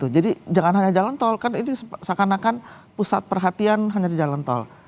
jadi jangan hanya jalan tol kan ini seakan akan pusat perhatian hanya di jalan tol